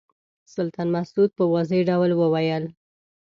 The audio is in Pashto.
سلطان مسعود په واضح ډول وویل.